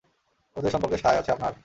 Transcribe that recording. ওদের সম্পর্কে সায় আছে আপনার?